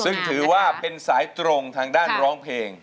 ซึ่งถือว่าเป็นสายตรงทางด้านร้องเพลง